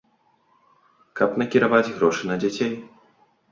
Каб накіраваць грошы на дзяцей.